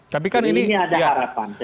jadi ini ada harapan